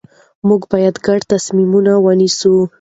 موږ باید ګډ تصمیم ونیسو